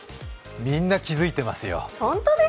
みんな気づいてます